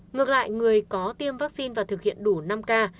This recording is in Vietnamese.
ngược lại người có tiêm vaccine và thực hiện đủ năm k